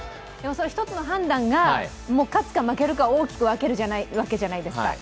一つの判断が勝つか負けるかを大きく分けるわけじゃないですか。